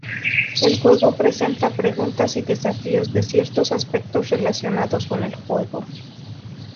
El juego presenta preguntas y desafíos de ciertos aspectos relacionados con el juego.